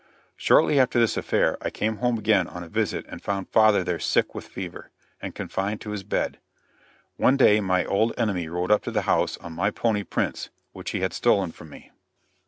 Shortly after this affair, I came home again on a visit and found father there sick with fever, and confined to his bed. One day my old enemy rode up to the house on my pony Prince, which he had stolen from me.